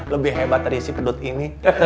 lebih hebat dari si pedut ini